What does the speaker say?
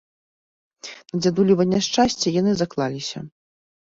На дзядулева няшчасце, яны заклаліся.